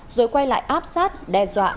rồi quay lại áp sát đe dọa